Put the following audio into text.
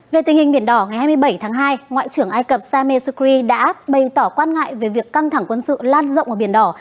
về tình hình biển đỏ ngày hai mươi bảy tháng hai ngoại trưởng ai cập sameh sukri đã bày tỏ quan ngại về việc căng thẳng quân sự lan rộng ở biển đỏ